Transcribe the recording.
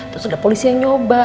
terus ada polisi yang nyoba